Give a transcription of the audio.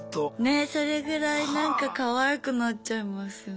ねっそれぐらいなんかかわいくなっちゃいますよね。